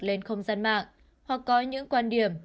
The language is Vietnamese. lên không gian mạng hoặc có những quan điểm